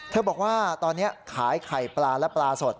บอกว่าตอนนี้ขายไข่ปลาและปลาสด